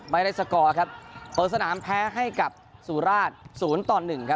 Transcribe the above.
ไม่ได้สกอร์ครับเพิ่งสนามแพ้ให้กับสูราช๐ต่อ๑